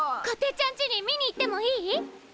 こてっちゃんちに見に行ってもいい？